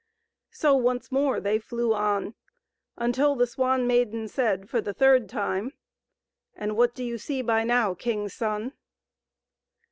So once more they flew on until the Swan Maiden said, for the third time, " And what do you see by now, king's son